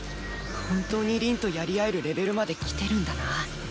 本当に凛とやり合えるレベルまできてるんだなあ